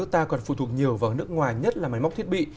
ta còn phụ thuộc nhiều vào nước ngoài nhất là máy móc thiết bị